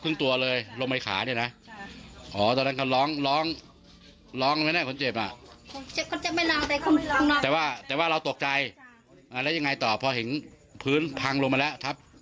ก็ต้องเรียกเพื่อนห้องน้ำซุด